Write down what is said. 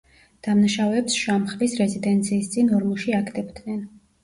დამნაშავეებს შამხლის რეზიდენციის წინ ორმოში აგდებდნენ.